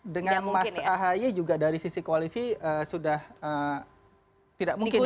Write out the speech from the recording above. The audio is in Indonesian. dengan mas ahaye juga dari sisi koalisi sudah tidak mungkin ya